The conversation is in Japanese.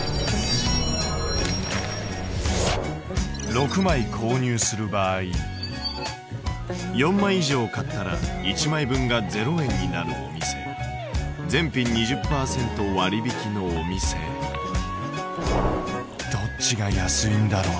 ６枚購入する場合４枚以上買ったら１枚分が０円になるお店全品２０％割引のお店どっちが安いんだろう？